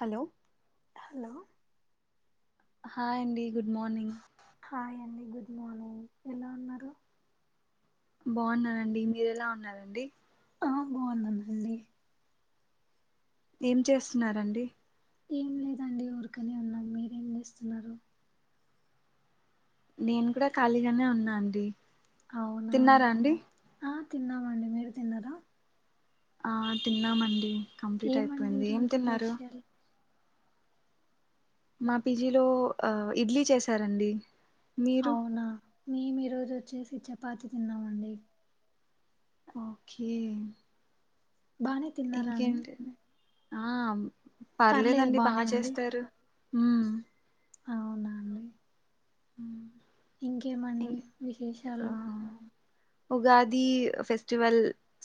Hello hello hi అండి good morning hi అండి good morning ఎలా ఉన్నారు బావున్ననండి మీర ఎలా ఉన్నారు అండి ఆ బాగున్నానుండి ఏం చేస్తున్నారండి ఏం లేదండి ఊరకనే ఉన్నా మీరేం చేస్తున్నారు నేను కూడా ఖాళీగానే ఉన్నా అండి అవునా తిన్నారా అండి ఆ తిన్నామండి మీరు తిన్నారా ఆ తిన్నామండి కంప్లీట్ ఏమండి అయిపోయింది ఏం ఈరోజు తిన్నారు స్పెషల్ మా పీజీలో ఇడ్లీ చేసారండి అవునా మేము ఈరోజు వచ్చేసి చపాతి తిన్నామండి ఓకే బానే తిన్నారా అండి ఇంకేంటి ఆ పర్లేదు పర్లేదండి బాగ బానే ఉంది చేస్తారు ఉ అవునా అండి ఉ ఇంకేమండి విశేషాలు ఉగాది ఫెస్టివల్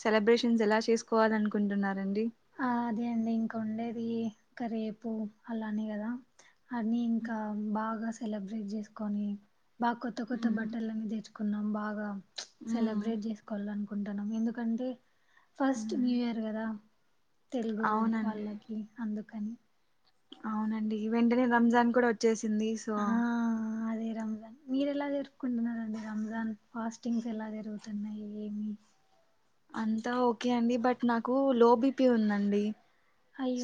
సెలబ్రేషన్స్ ఎలా చేసుకోవాల అనుకుంటున్నారండి ఆ అదే అండి ఇంకా ఉండేది ఇంకా రేపు అలానే కదా అని ఇంకా బాగా సెలబ్రేట్ చేసుకొని బాగా కొత్త కొత్త ఉమ్ బట్టర్లన్నీ తెచ్చుకో పున్నాం భాగం ఉమ్ సెలబ్రేట్ చేసుకోవాలిన్ కుంటనం ఎందుకంటే ఫస్ట్ ఉమ్ న్యూ ఇయర్ కదా తెలుగు అవునండి వాళ్ళకి అందు అవునండి వెంటనే రంజాన్ కూడా వచ్చేసింది సో ఆ! అదే రంజాన్ మీరు ఎలా జరుపుకుంటున్నండి రంజాన్ ఫాస్టింగ్స్ ఎలా జరుగుతున్నాయి ఏమి అంతా ఓకే అండి బట్ నాకు లోబిపీ ఉందండి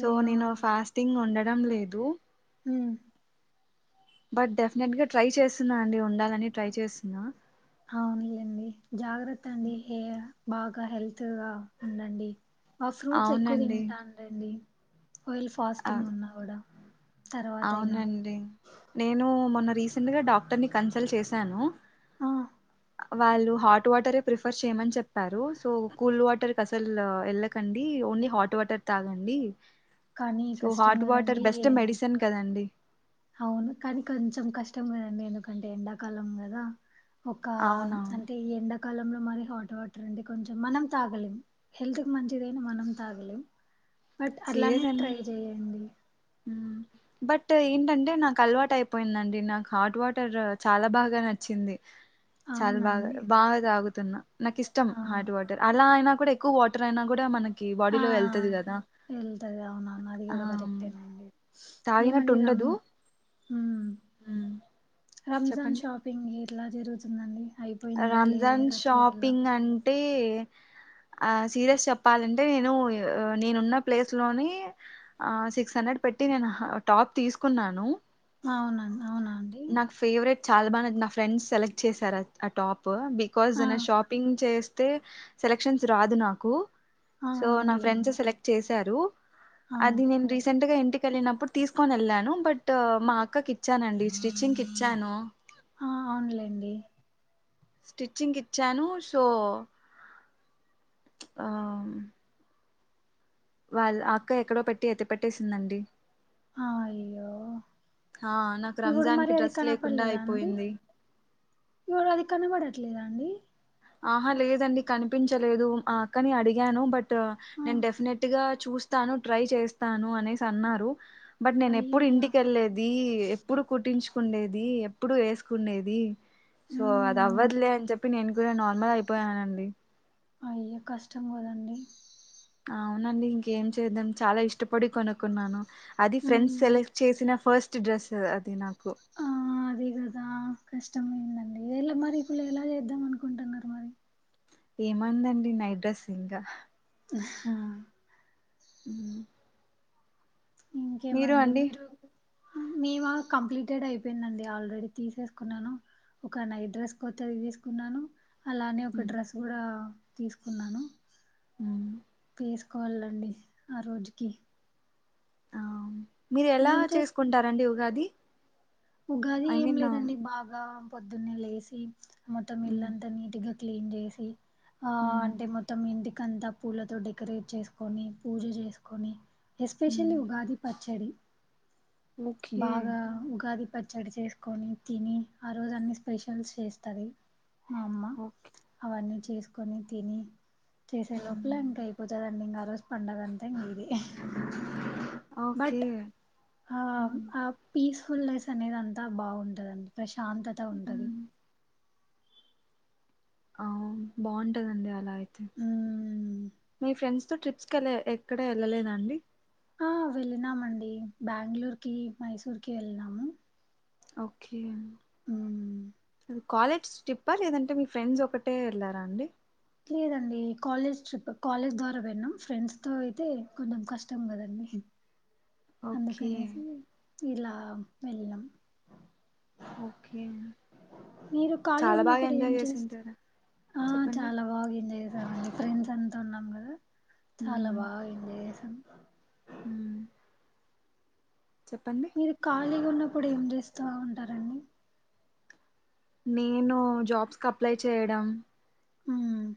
సో నేను అవునా! ఫాస్టింగ్ ఉండ రమ్ లేదు ఉమ్ బట్ డెఫినెట్ గా ట్రై చేస్తున్నా అండి ఉండాలని ట్రై చేస్తున్నా అవునులేండి జాగ్రత్త అండి హే బాగా హెల్త్గా ఉండండి ఆ ఫ్రూట్స్ ఎక్కువ అవునండి తింటానండి ఆయిల్ అ ఫాస్టింగ్ ఉన్నా కూడా అవునండి నేను మొన్న రీసెంట్ గా డాక్టర్ ని కన్సల్ట్ చేశాను. ఆ! వాళ్ళు హాట్ వాటరే ప్రిఫర్ చేయమని చెప్పారు. సో కూల్ వాటర్కు అసలు వెళ్ళకండి ఓన్లీ హాట్ వాటర్ తాగండి. కానీ సో కష్టం హాట్ వాటర్ కదండీ. బెస్ట్ మెడిసిన్ కదండి. అవును కానీ కొంచెం కష్టం కదా అండి. ఎందుకంటే ఎండాకాలం కదా. ఒక అవునవును అంటే ఈ ఎండకు కాలంలో మరి హాట్ వాటర్ అంటే కొంచెం మనం తాగలేం హెల్త్ కి మంచిదైనా మనం తాగలేం. బట్ అలానే ట్రై చెయండి. హ్ బట్ ఏంటంటే నాకు అలవాటు అయిపోయిందండి. నాకు హాట్ వాటర్ చాలా బాగా నచ్చింది చాలా అవునా బాగా అండి? బాగా తాగుతున్నా. నాకు ఇష్టం ఆ! హార్ట్ వాటర్ అలా అయినా కూడా ఎక్కువ వాటర్ అయినా కూడా మనకి కి ఆ బాడీలో వెల్తది కదా వెళ్తది అవునవును అది ఆ కూడా కరెక్టేనండి తాగినట్టు ఏమండి రమ్ ఉండదు మ్మ్ రంజాన్ చెప్పండి షాపింగ్ ఎలా జరుగుతుందండి. అయిపోయిందా లేదా రంజాన్ ఇంకా చేయాలా షాపింగ్ అంటే దే ఆ సీరియస్ చెప్పాలంటే నేను నేనున్న ప్లేస్ లోని ఆ సిక్స్ హండ్రెడ్ పెట్టి నేను టాప్ తీసుకున్నాను. అవునా అవునా అండి. నాకు ఫేవరెట్ చాలా బా [inaudible] నా ఫ్రెండ్స్ సెలెక్ట్ చేసారు అది. అటాప్ ప్ బికాజ్ ఆ నా షాపింగ్ చేస్ అతే సెలక్షన్స్ రాదు నాకు. ఆ సో నా ఫ్రెండ్స్ అవునులేండి సెలెక్ట్ చేసి స్తారు. ఆ అది నేను రీసెంట్గా ఎంటి గా నేనప్పుడు తీసుకొని వెళ్ళాను బట్ మా అక్కకి ఇచ్చానండి స్టిచ్చింగ్ కి ఇచ్చాను. ఆ అవునులేండి. స్టిచ్చింగ్ కి ఇచ్చాను సో ఆ వాలు అక్క ఎక్కడో పెట్టి ఎత్తిపెట్టేసిందండి. ఆ అయ్యో ఆ, నాకు ఇప్పుడు రంజాన్ మరి కి అది డ్రెస్ లేకుండా కనపడలేదా అండి. అయిపోయింది ఇప్పుడు అది కనపడట్లేదా అండి ఆహా లేదండి కనిపించలేదు ఆ అక్కని అడిగాను బ ట్ ఆ నేను డెఫినెట్ గా చూస్ స్తాను, ట్రై చేస్తాను అనేసి అన్నారు. బట్ నేను ఎప్పుడు అయ్యయ్యో ఇంటికెళ్ళలేది ఎప్పుడు కుట్టించు కుండేది ఎప్పుడు ఎసుకుండేది సో అది ఉమ్ అవ్వద్లే చెప్ప పిన్నయ్ నార్మల్ అయిపోయానండి అయ్యో కష్టం కదండి అవునండి ఇంకేం చేద్దాం చాలా ఇష్టపడి కొనుక్కున్నాను అది ఫ్రెండ్స్ ఉమ్ సెలెక్ట్ చేసిన ఫస్ట్ స్ డ్రెస్ అది నా ఆ అదే కదా కష్టమైంది అండి వేళ్ళ మరి ఇప్పుడు ఎలా చేద్దాం అనుకుంటున్నారు మరి ఏమందండి నైట్ డ్రెస్సిఇంగ హా ఉ ఇంకేమండి మీరు మేము కంప్లీటెడ్ అయిపోయిందండి ఆల్రెడీ తీసేసుకున్నాను ఒక నైట్ డ్రెస్ కొత్తది తీసుకున్నాను అలానే ఒక ఉమ్, డ్రెస్ గుడా తీసుకున్నాను ఉ తీసుకోవాలండి ఆ రోజుకి ఆ, మీరు ఎలా ఏం చేస్ చేసుకుంటారండి ఉ దది ఉగాది ఏం లేదండి బాగా పొద్దున్నే లేసి మొటం ఇల్ అంతా నీటిగా క్లీన్ చేసి ఆ అంటే మొత్తం ఇంటికి అంతా పూలతో డెకరేట్ చేసుకొని పూజ చేసుకొని ఎస్పెషలీ ఉగాది పచ్చడి ఓకే బాగా ఉగాది పచ్చడి చేసుకొని తిని ఆ రోజు అన్ని స్పెషల్స్ చేస్తంది మా అమ్మ ఓకే అవన్నీ చేసుకొని తిని చేసే లోపల ఇంకా అయిపోతదండి ఇంకా ఆ రోజు పండగ అంటే ఇంగ ఇది [inaudible] ఓకే బట్ ఆ పీస్ ఫుల్లస్ అనేది అంతా బాగుంటదండి ఫ్రెష్ అంతత ఉంటది ఆ బాగుంటదండి అలా అయి హ్మ్ మీ ఫ్రెడ్స్ ట్రిప్స్ కె లే ఎక్కడ వెళ్ళలేద అండి ఆ వెళ్ళినామండి బ్యాంగుళూర్ కి మైసూర్కి వెళ్ళినాము ఓకే ఊ అది కాలేజ్ ట్రీప్ప లేదంటే మీ ఫ్రెండ్స్ ఒకటే వెళ్ళారా అండి లేదండి కాలేజ్ ట్రిప్ కాలేజ్ ద్వారా పోయినం ఫ్రెండ్స్ తో అయితే కొంచెం కష్టం గదండి ఓకే అందుకనేసి ఇలా వెెళ్లం ఓకే మీరు ఖాళీ చాలా బాగా ఉన్నప్పుడు ఏం ఎంజాయ్ చేస్ చేసింటారా ఆ చెప్పండి చాలా బాగా ఏంజాయ్ జే అవునండి ఫ్రెండ్స్ అంతా ఉన్నాం గదా చాలా బాగ ఎంజాయ్ చేసం ఊ చెప్పండి లిగ ఉన్నప్పుడు ఏం చేస్తా ఉంటారండి నేను జాబ్స్ కు అప్లై చేయడం ఊ మ్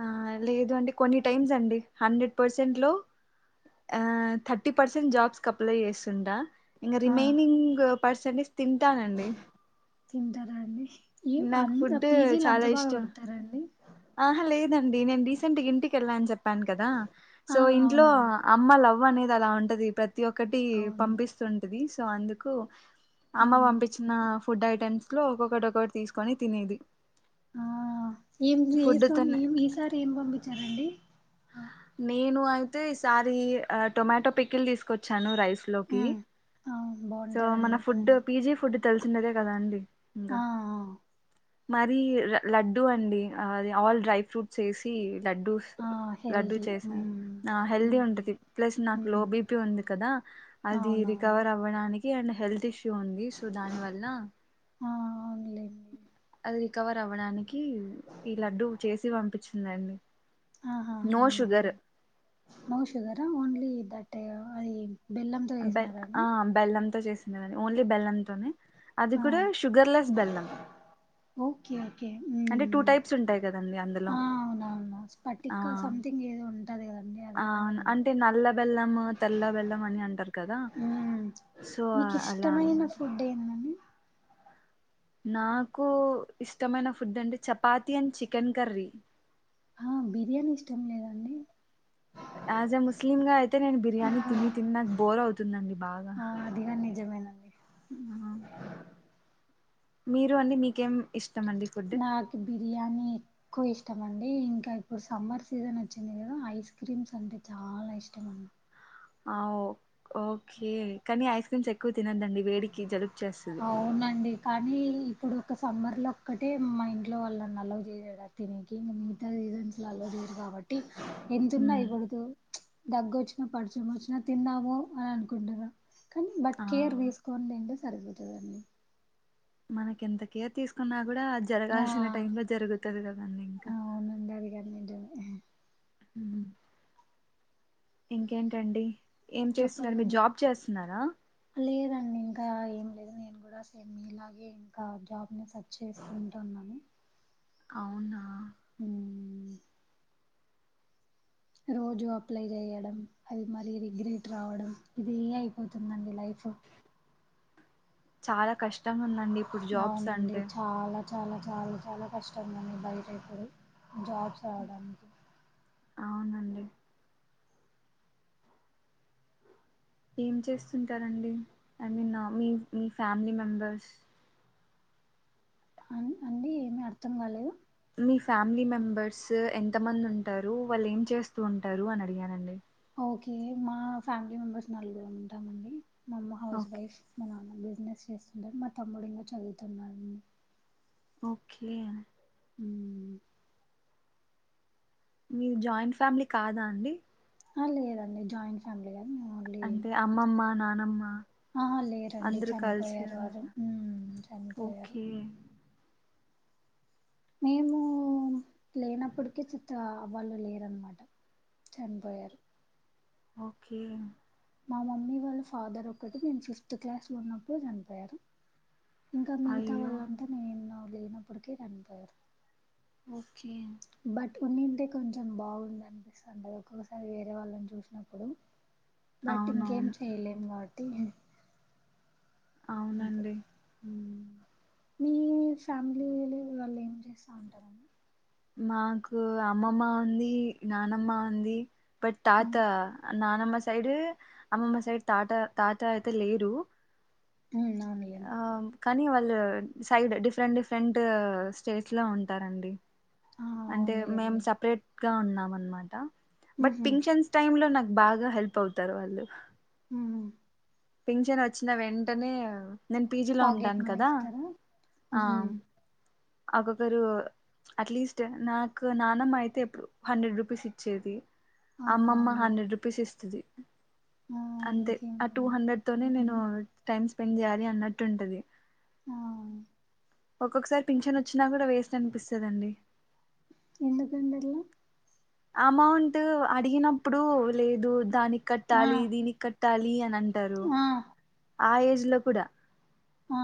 ఆ లేదు అంటే కొన్ని టైమ్స్ అండి హండ్రెడ్ పర్సెంట్ లో ఆ థర్టీ పర్సెంట్ జాబ్స్ అప్లై చేస్తుంటా ఇంగ ఆ! రిమైనింగ్ పర్సంటేజ్ తింటానండి తింటరా అండి నాకు అ ఫుడ్ పీజీలు చాలా అంత బాగా ఇష్టం పెట్టారండి ఆహా లేదండి నేను రీసెంట్ గా ఇంటికి వెళ్ళాను చెప్ ప్పాను కదా ఆ సో ఇంట్లో అవునవును అమ్మ లవ్ అనేది అలా ఉంటది ప్రత్ ప్రతి ఒక్కటి అవును పంపిస్తుంటది సో అందుకు ఆ అమ్మ పంపిచ్చిన ఫుడ్ ఐటెమ్స్ లో ఒక్కొక్కటి ఒక్కటి తీసుకొని తినేది ఆ ఏం ఫుడ్ చేస్తాం తోనే ఏమి ఈసారి ఏం పంపి అండి నేను అయితే ఈసారి ఆ టొమాటో పికిల్ తీసుకొచ్చాను రైస్ లోకి ఉమ్ అవును సో మన బాగుంటదండి ఫుడ్ ఉమ్, పీజీ ఫుడ్ తెలిసినదే కదా అండి ఇంకా ఆ మరి లడ్డు అండి అది ఆల్ డ్రై ఫ్రూట్స్ వేసి లడ్డుస్ ఆ లడ్డు హెల్దీ ఉమ్ చేసిన హెల్దీ ఉమ్ ఉంటది ప్లస్ నాకు లో ఉమ్, బిపి ఉంది కదా అది అవునవును రికవర్ అవ్వడానీ అండ్ హెల్దీష్ ఉంది సో దాని వల్ల ఆ అవునులేండి అది రికవర్ అవ్వడానికి ఈ లడ్డు చేసి పంపించిందండి ఆహా నో అవునా sugar no sugar only the అంటే అది బెల్లంతో బెల్ చేసినారా ఆ అండి బెల్లంతో చేసి ఓన్లీ బెల్లంతోనే అది కూడా షుగర్లెస్ బెల్లం ఓకేఓకే అంటే టూ టైప్స్ ఉంటాయి కదండి అందులో అవునవునా స్ పటిక సంథింగ్ ఏదో ఉంట అవును అంటే నల్ల బెల్లం తెల్ల బెల్లం అని అంటారు కదా మ్మ్ సో మీకు అలా ఇష్టమైన అనమాట ఫుడ్ ఏందండి నాకు ఇష్టమైన ఫుడ్ అంటే చపాతి అండ్ చికెన్ కర్రీ ఆ బిర్యానీ ఇష్టం లేదండి యాజ్ ఎ ముస్లిమ్ గా అయితే నేను బిర్యానీ తిని తిని నాకు బోర్ అవుతుందండి బాగా జమేనండి మీరు అండి మీకేం ఇష్టం అండి ఫుడ్ నాకు బరయని ఎక్కువ ఇష్టంండి ఇంకా ఇప్పుడు సమ్మర్ సీజన్ వచ్చింది కదా ఐస్ క్రీమ్స్ అంటే చాలా ఇష్టం అన్న ఆ ఓకే కానీ ఐస్ క్రీమ్స్ ఎక్కువ తినదండి వేడికి జలు అవునండి కానీ ఇప్పుడు ఒక సమ్మర్లో ఒక్కటే మా ఇంట్లో వాళ్ళని అల చేసడు తిననికి ఇంకా మిగతా సీజన్స్లో అల చేయరు కాబట్టి ఎంతన్నా ఉమ్, ఇ్వడదు దగ్గొచ్చు పడిచమోచ్చిన తిన్నామ అని అనుకుంటద కానీ బట్ ఆ కేర్ వేసుకోనిండి అరుగు దని మనకి ఎంత కేర్ తీసుకున్నా కూడా ఆ జరగాల్సిన టైమ్ లో జరుగుతుంది కదంీ ఇంకా అవునండి అది గాని నిజమే ఇంకేంటండి ఏం చేస్తున్నారు మీరు చెప్పాలండి జాబ్ చేస్తున్నారా అండ్ ఇంకా ఏం లేదు నేను కూడా సేమ్ మీలాగే ఇంకా జాబ్ని సర్చ్ చేసుంటున్నాను అవునా అ రోజు అప్లై చేయడం అది మరి రిగ్రెట్ రావడం ఇది అయిపోతుందండి లైఫ్ చాల కష్టంగా ఉందండి ఇప్పుడు జాబ్స్ అవునండి అంటే చాలా చాలా చాలా చాలా కష్టంగానీ బయట ఇప్పుడు జాబ్స్ రావడానికి అవునండి ఏం చేస్తుంటారండి ఐ మీన్ నా మీ మీ ఫ్యామిలీ మెంబర్స్ అన్ అండి ఏమి అర్థం కాలేదు మీ ఫ్యామిలీ మెంబర్స్ ఎంత మంది ఉంటారు వాళ్ళు ఏం చేస్తూ ఉంటారు అని అడిగానండి ఓకే మా ఫ్యామిలీ మెంబర్స్ నలుగురం ఉంటామండి మమ్మ హౌస్ ఓకే వైఫ్ మా నానా బిజినెస్ చేస్తుండే మా తమ్ముడెమో చదువుతున్నా ఓకే ఉమ్ మీది జాయింట్ ఫ్యామిలీ కాదా అండి లేదండి జాయింట్ ఫ్యామిలీ కాదు మేము ఓన్లీ అంటే అమ్మమ్మ నానమ్మ ఆహా లేరండి అందరూ కలిసి చనిపోయారు వారు ఉండరా మ్మ్ చనిపోయారు ఓకే మేము లేనప్పటికీ చిత్త వాళ్ళు లేరనమాట చనిపోయారు ఓకే మా మమ్మీ వాళ్ళఫాదర్ ఒకటి నేను ఫిఫ్త్ క్లాస్ లో ఉన్నప్పుడు చనిపోయారు ఇంకా మిగతా అయ్యో వాళ్ళ అంత నేను లేనప్పటికే చనిపోయారు ఓకే బట్ ఉన్నింటే కొంచెం బాగుండు అనిపిస్తటది ఒక్కొక్కసారి వేరే వాళ్ళని చూసినప్పుడు బట్ ఇంకేం అవునవును చెయలేం వాట్ తీగే అంతే అవునండి హ్మ్ మీ ఫ్యామిలీ వాళ్ళు ఏం చేస్తా ఉంటారండి మాకు అమ్మమ్మ ఉంది నానమ్మ ఉంది బట్ తాత ఉమ్ నానమ్మ సైడ్ అమ్మమ్మ సైడ్ తాత తాత అయితే లేరు ఆ అవునులేండి కనీ వా లను సైడ్ డిఫరెంట్ డిఫరెంట్ స్టేట్స్ లో ఉంటారండి ఆ అంటే మేం అవునులేండి సపరేట్ గా ఉన్నము అన్మాట బట్ ఉహు పింక్షన్స్ టైమ్ లో నా బాగా హెల్ప్ అవుతారు వాళ్ళు హు పింఛన్ వచ్చిన వెంటనే నేను పీజీలో పాకెట్ ఉంటాను మనీ కదా ఇస్తారా ఆ ఉహు ఒక్కొక్కరు అట్లీస్ట్ నాకు నానమ్మ అయితే అప్పుడు హండ్రెడ్ రూపీస్ ఇచ్చేది ఆ అమ్మమ్మ అవునులే హండ్రెడ్ రూపీస్ ఇస్తది ఆ అంతే అ టూ ఇంకేంటండి హండ్రెడ్ తోనే నేను టైమ్స్ స్పె పని జాయాలి అన్నట్టు ఉంటది ఆ ఒక్కొక్కసారి పింఛన్ వచ్చి అట్ల అయినా కూడా వేస్ట్ అనిపిస్తుందండి ఎందుకండి అట్ల అమౌంట్ అడిగినప్పుడు లేదు దానికి ఆ కట్టాలి దీనికి కట్ట తాలి అంత అంటారు ఆ ఆ ఏజ్ లో కూడా ఆ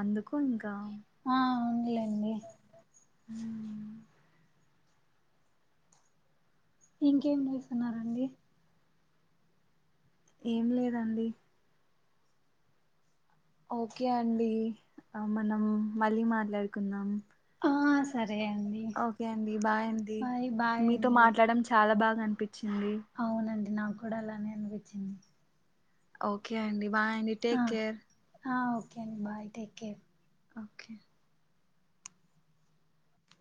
అందుకు ఇంకా ఆ ఔనులేండి ఉమ్ ఇంకేం చేస్తున్నారండి ఏం లేదండి ఓకే అండి మనం మళ్ళీ మాట్లాడుకుందాం ఆ సరే అండి ఓకే అండి బాయ్ అండీ బాయ్ బాయ్ మీతో అండి మాట్లాడడం చాలా బాగా [inaudible] [unintelligible] చరే అవునండి నాకు కూడా అలానే అనిపించింది ఓకే అండి బాయ్ అండి ఆ టేక్ కేర్ ఆ ఓకే అండి బాయ్ టేక్ కేర్ ఓకే